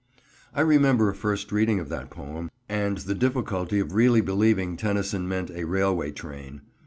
I remember a first reading of that poem, and the difficulty of really believing Tennyson meant a railway train.